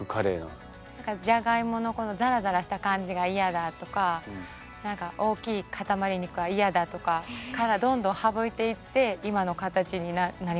じゃがいものこのザラザラした感じが嫌だとか何か大きい塊肉は嫌だとかからどんどん省いていって今の形になりました。